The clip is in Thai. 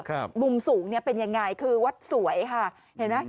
มุมสูงเนี้ยเป็นยังไงคือวัดสวยค่ะเห็นไหม